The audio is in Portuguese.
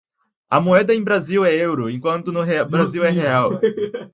A moeda em Portugal é o Euro, enquanto que no Brasil é o Real.